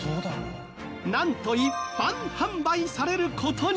なんと一般販売される事に！